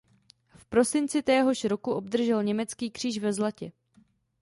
V prosinci téhož roku obdržel Německý kříž ve zlatě.